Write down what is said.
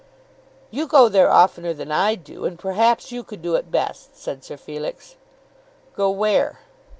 "You go there oftener than I do, and perhaps you could do it best," said Sir Felix. "Go where?"